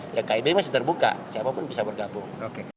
ya kib masih terbuka siapapun bisa bergabung